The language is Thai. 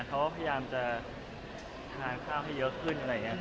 เขาก็พยายามค่าด่าทานข้าวให้เยอะขึ้น